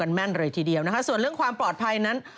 แม่นเลยทีเดียวนะคะส่วนเรื่องความปลอดภัยนั้น